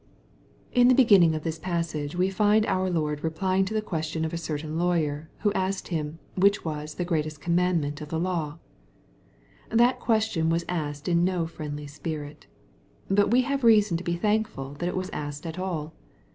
In the heginning of this passage we find our Lord replying to the qusstion of a certain lawyer, who asked him which was " the great commandment of the law ?" That question was asked in no friendly spirit. But we have reason to he thankful that it was asked at all.